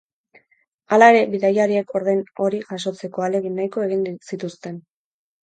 Hala ere, bidaiariek ordain hori jasotzeko ahalegin nahiko egin zituzten.